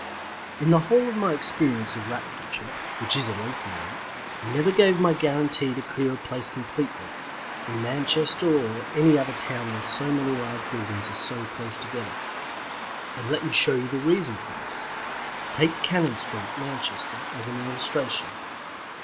In the whole of my experience of Rat catching, which is a lengthy one, I never gave a guarantee to clear a place completely, in Manchester or any other town where so many large buildings are so close together. And let me show the reason for this. Take Cannon Street, Manchester, as an illustration.